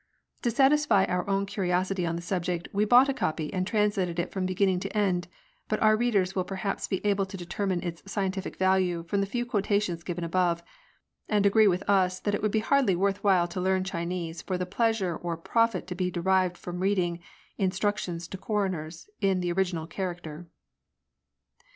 To satisfy our own curiosity on the subject we bought a copy and translated it from beginning to end ; but our readers will perhaps be able to determine its scientific value from the few quotations given above, and agree with us that it would hardly be worth while to learn Chinese for the pleasure or profit to be derived from reading " In structions to Coroners'' in the original character.